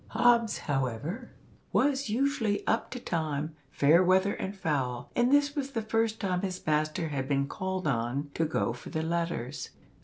Hobbs, however, was usually up to time, fair weather and foul, and this was the first time his master had been called on to go for the letters.